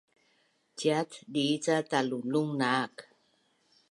Cait dii ca talulung naak